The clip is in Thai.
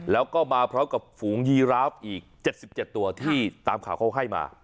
แล้วก็มาพร้อมกับฝูงยีราฟอีก๗๗ตัวที่ตามข่าวเขาให้มา